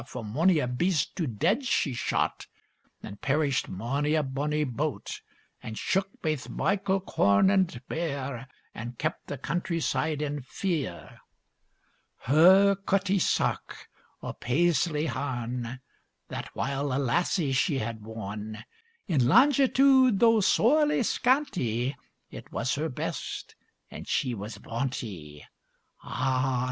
For mony a beast to dead she shot, And perished mony a bonnie boat, And shook baith meikle corn and bear, And kept the country side in fear), Her cutty sark, o' Paisley harn, That while a lassie she had worn, In longitude though sorely scanty, It was her best, and she was vauntie. Ah!